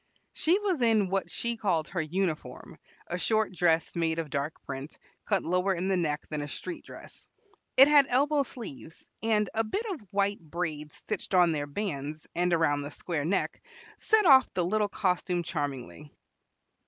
She was in what she called her uniform, a short dress made of dark print, cut lower in the neck than a street dress. It had elbow sleeves, and a bit of white braid stitched on their bands and around the square neck set off the little costume charmingly.